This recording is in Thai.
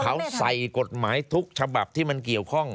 เขาใส่กฎหมายทุกฉบับที่มันเกี่ยวข้อง